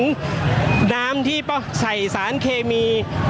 ก็น่าจะมีการเปิดทางให้รถพยาบาลเคลื่อนต่อไปนะครับ